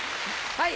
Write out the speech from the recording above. はい。